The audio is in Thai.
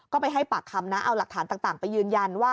ก็ไปให้ปากคำนะเอาหลักฐานต่างไปยืนยันว่า